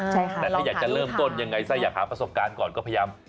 แต่ถ้าอยากจะเริ่มต้นยังไงซะอยากหาประสบการณ์ก่อนก็พยายาม